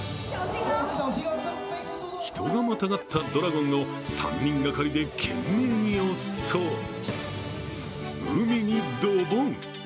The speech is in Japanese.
人がまたがったドラゴンを３人がかりで懸命に押すと海にドボン。